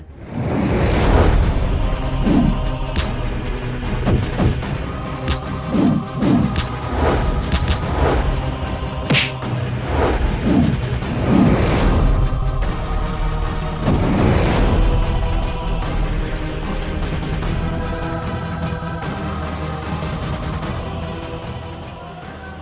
kau sempat berjaga